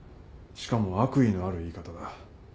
しかも悪意のある言い方だ。